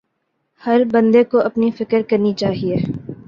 ہر بندے کو اپنی فکر کرنی چاہئے